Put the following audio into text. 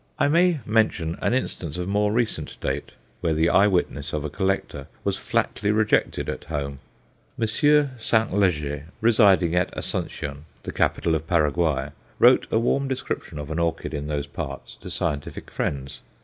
I may mention an instance of more recent date, where the eye witness of a collector was flatly rejected at home. Monsieur St. Leger, residing at Asuncion, the capital of Paraguay, wrote a warm description of an orchid in those parts to scientific friends.